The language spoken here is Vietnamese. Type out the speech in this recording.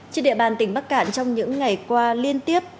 trên địa bàn tỉnh bắc cạn trong những ngày qua liên tiếp